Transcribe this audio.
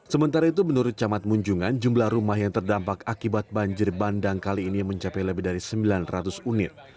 sementara itu menurut camat munjungan jumlah rumah yang terdampak akibat banjir bandang kali ini mencapai lebih dari sembilan ratus unit